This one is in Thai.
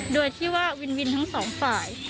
โดยที่ว่าวินทั้ง๒ฝ่าย